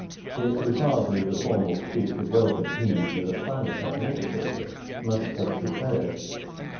It was hardly the formal speech of welcome he, as planet administrator, must have prepared.